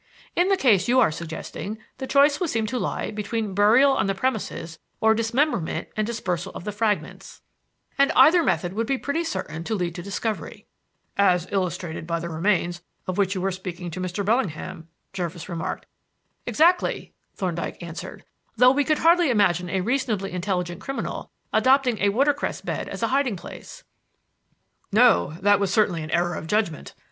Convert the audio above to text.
"In the case you are suggesting, the choice would seem to lie between burial on the premises or dismemberment and dispersal of the fragments; and either method would be pretty certain to lead to discovery." "As illustrated by the remains of which you were speaking to Mr. Bellingham," Jervis remarked. "Exactly," Thorndyke answered, "though we could hardly imagine a reasonably intelligent criminal adopting a watercress bed as a hiding place. "No. That was certainly an error of judgment.